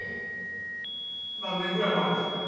何年ぐらい前ですかね？